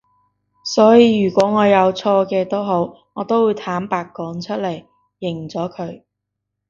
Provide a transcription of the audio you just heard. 所以如果我有錯嘅都好我都會坦白講出嚟，認咗佢